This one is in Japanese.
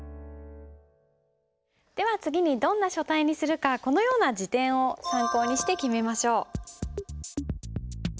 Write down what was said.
では次にどんな書体にするかこのような字典を参考にして決めましょう。